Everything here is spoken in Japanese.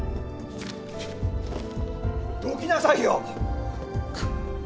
どきなさいよ！